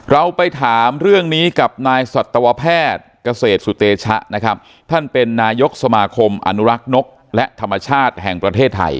เราไปถามเรื่องนี้กับนายสัตวแพทย์เกษตรสุเตชะนะครับท่านเป็นนายกสมาคมอนุรักษ์นกและธรรมชาติแห่งประเทศไทย